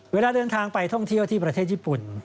เวลาเดินทางไปท่องเที่ยวที่ประเทศญี่ปุ่น